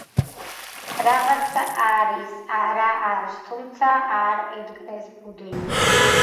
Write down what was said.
რაცაღა არის, არა არს, თუმცა არ ედგნეს ბუდენი.